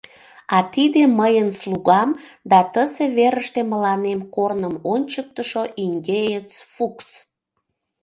А тиде мыйын слугам да тысе верыште мыланем корным ончыктышо индеец Фукс.